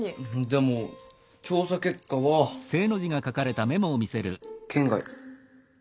でも調査結果は圏外。